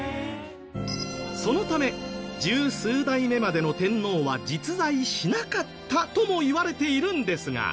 そのため十数代目までの天皇は実在しなかったともいわれているんですが。